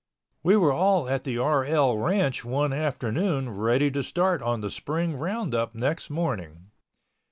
We were all at the RL ranch one afternoon ready to start on the spring roundup next morning.